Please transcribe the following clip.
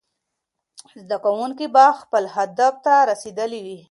زده کوونکي به خپل هدف ته رسېدلي وي.